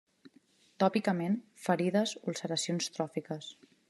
Tòpicament: ferides, ulceracions tròfiques.